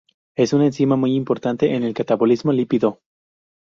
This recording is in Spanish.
Es una enzima muy importante en el catabolismo lipídico.